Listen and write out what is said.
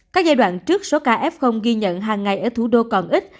các giai đoạn trước số kf ghi nhận hàng ngày ở thủ đô còn ít